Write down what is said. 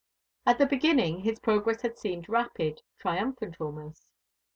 At the beginning his progress had seemed rapid triumphant almost.